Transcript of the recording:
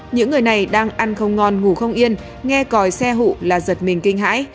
những người này đang ăn không ngon ngủ không yên nghe còi xe hụ là giật mình kinh hãi